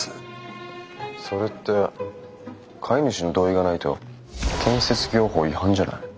それって買い主の同意がないと建設業法違反じゃない？